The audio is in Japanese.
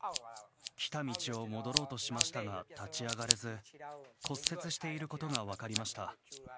来た道を戻ろうとしましたが、立ち上がれず骨折していることが分かりました。